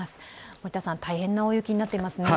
森田さん、大変な大雪になっていますね。